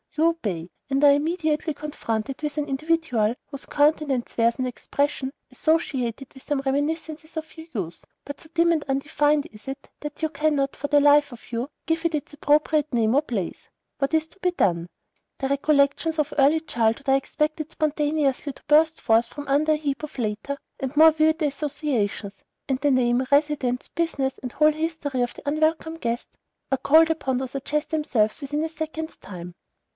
You obey, and are immediately confronted with an individual whose countenance wears an expression associated with some reminiscences of your youth, but so dim and undefined is it, that you cannot, for the life of you, give it its appropriate name or place. What is to be done? The recollections of early childhood are expected spontaneously to burst forth from under a heap of later and more vivid associations, and the name, residence, business, and whole history of the unwelcome guest are called upon to suggest themselves within a second's time.